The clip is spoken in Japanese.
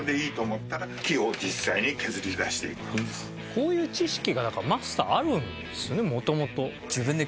こういう知識がだからマスターあるんですね元々。